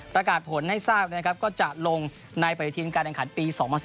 ประกาศผลให้ทราบนะครับก็จะลงในปฏิทินการแข่งขันปี๒๐๑๙